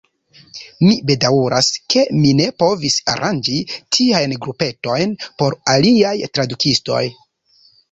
Mi bedaŭras, ke mi ne povis aranĝi tiajn grupetojn por aliaj tradukistoj.